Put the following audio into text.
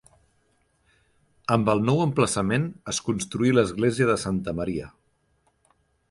Amb el nou emplaçament es construí l'església de Santa Maria.